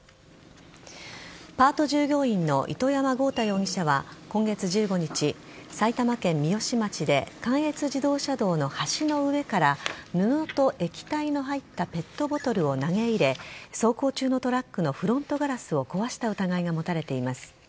パート従業員の糸山豪太容疑者は今月１５日埼玉県三芳町で関越自動車道の橋の上から布と液体の入ったペットボトルを投げ入れ走行中のトラックのフロントガラスを壊した疑いが持たれています。